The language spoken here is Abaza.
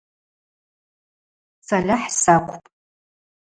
Сальахӏ сакӏвпӏ.